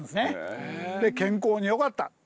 で健康によかった。